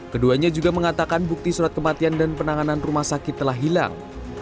keduanya juga mengatakan bukti surat kematian dan penanganan rumah sakit telah hilang